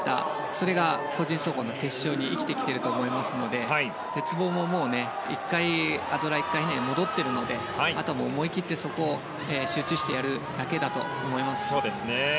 それが個人総合の決勝に生きてきていると思いますので鉄棒も１回アドラー１回ひねり戻っているのであとは思い切ってそこを集中してやるだけだと思います。